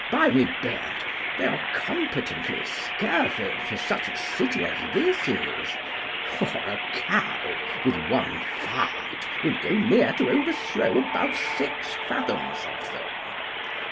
By my beard, they are competently scurvy for such a city as this is; for a cow with one fart would go near to overthrow above six fathoms of them.